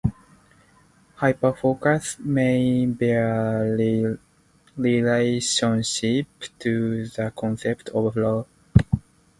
Hyperfocus may bear a relationship to the concept of flow.